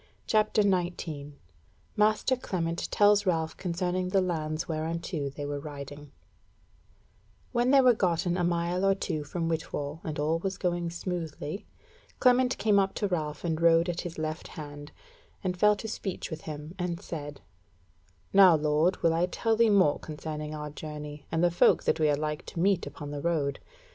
CHAPTER 19 Master Clement Tells Ralph Concerning the Lands Whereunto They Were Riding When they were gotten a mile or two from Whitwall, and all was going smoothly, Clement came up to Ralph and rode at his left hand, and fell to speech with him, and said: "Now, lord, will I tell thee more concerning our journey, and the folk that we are like to meet upon the road.